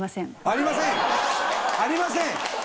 「ありません」？